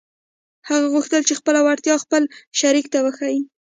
هغه غوښتل خپله وړتيا خپل شريک ته وښيي.